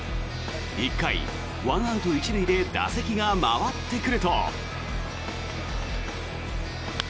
１回、１アウト１塁で打席が回ってくると。